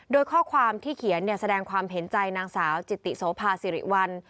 โดยข้อความที่เขียนแสดงความเห็นใจนางสาวจิตติโสภาสิริวัล